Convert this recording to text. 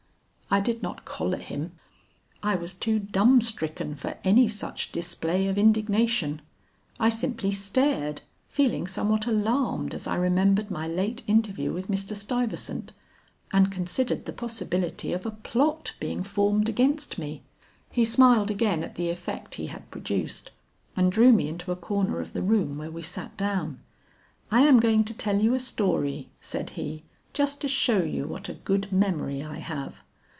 "I did not collar him; I was too dumb stricken for any such display of indignation. I simply stared, feeling somewhat alarmed as I remembered my late interview with Mr. Stuyvesant, and considered the possibility of a plot being formed against me. He smiled again at the effect he had produced, and drew me into a corner of the room where we sat down. 'I am going to tell you a story,' said he, 'just to show you what a good memory I have.